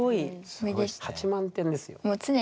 ８万点ですよ。